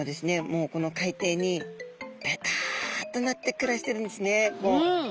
もうこの海底にベタッとなって暮らしてるんですね。